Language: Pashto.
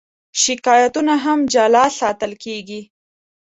شکایتونه هم جلا ساتل کېږي.